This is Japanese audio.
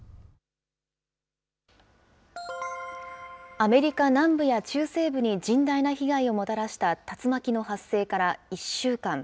アメリカ南部や中西部に甚大な被害をもたらした竜巻の発生から１週間。